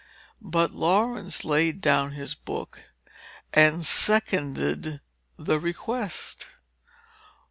But Laurence laid down his book and seconded the request.